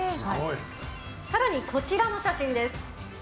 更にこちらの写真です。